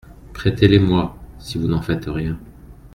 Prêtez-les-moi, si vous n’en faites rien.